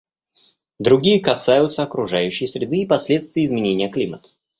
Другие касаются окружающей среды и последствий изменения климата.